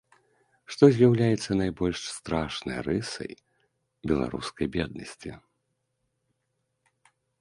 Што з'яўляецца найбольш страшнай рысай беларускай беднасці?